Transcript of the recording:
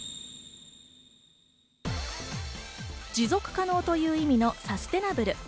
持続可能という意味のサステナブル。